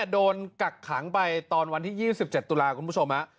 โอ๊ตโดนกักขังไปตอนวันที่๒๗ตุลาคม